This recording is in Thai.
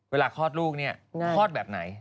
คลอดลูกเนี่ยคลอดแบบไหน